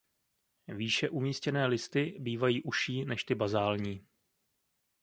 Výše umístěné listy bývají užší než ty bazální.